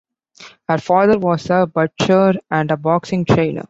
Her father was a butcher and a boxing trainer.